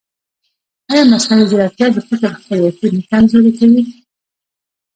ایا مصنوعي ځیرکتیا د فکر خپلواکي نه کمزورې کوي؟